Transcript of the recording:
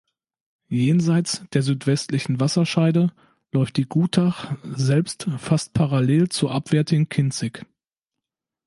Jenseits der südwestlichen Wasserscheide läuft die Gutach selbst fast parallel zur abwärtigen Kinzig.